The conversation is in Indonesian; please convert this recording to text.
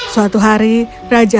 suatu hari raja hampir berada di rumah